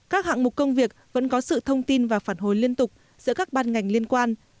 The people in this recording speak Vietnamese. các hạng mục công việc vẫn có sự thông tin và phản hồi liên tục giữa các ban ngành liên quan